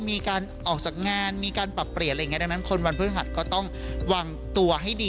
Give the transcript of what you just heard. มีการออกจากงานมีการปรับเปลี่ยนอะไรอย่างนี้ดังนั้นคนวันพฤหัสก็ต้องวางตัวให้ดี